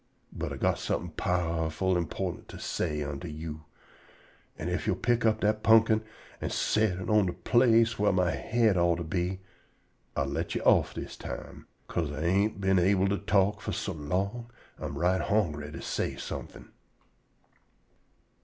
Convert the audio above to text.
But Ah got somefin' powerful _im_portant to say unto yo', an' if yo' pick up dat pumpkin an' sot it on de place whar my head ought to be, Ah let you off dis time, 'ca'se Ah ain't been able to talk fo' so long Ah'm right hongry to say somefin'!"